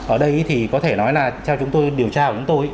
ở đây thì có thể nói là theo chúng tôi điều tra của chúng tôi